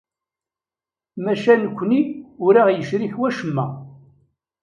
Maca nekkni ur aɣ-yecrik wacemma.